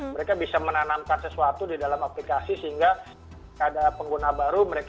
mereka bisa menanamkan sesuatu di dalam aplikasi sehingga ada pengguna baru mereka